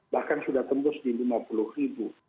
bahkan sudah tembus di lima puluh ribu